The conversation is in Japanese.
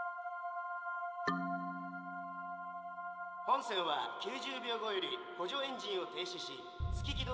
「本船は９０秒後より補助エンジンを停止し」。